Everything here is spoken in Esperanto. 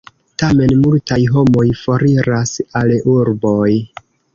Tamen multaj homoj foriras al urboj.